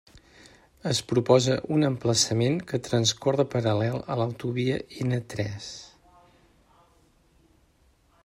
Es proposa un emplaçament que transcorre paral·lel a l'autovia N tres.